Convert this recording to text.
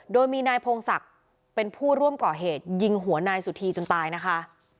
โดยมีนายพงศักดิ์เป็นผู้ร่วมก่อเหตุยิงหัวนายสุธีจนตายนะคะ